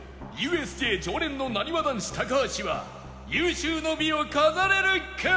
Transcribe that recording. ＵＳＪ 常連のなにわ男子高橋は有終の美を飾れるか？